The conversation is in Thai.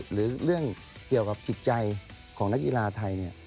หรือเรื่องเกี่ยวกับจิตใจของนักกีฬาไทย